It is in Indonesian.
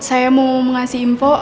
saya mau ngasih info